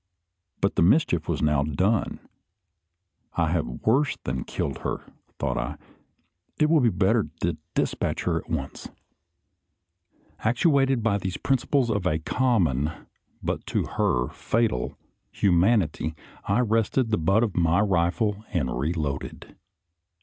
But the mischief was now done. "I have worse than killed her," thought I; "it will be better to despatch her at once." Actuated by these principles of a common, but to her fatal, humanity, I rested the butt of my rifle and reloaded.